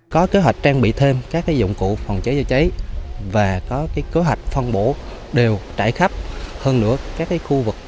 có kế hoạch trang bị thêm các dụng cụ phòng cháy chữa cháy và có kế hoạch phân bổ đều trải khắp hơn nữa các khu vực